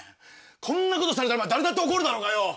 こんなことされたら誰だって怒るだろうがよ！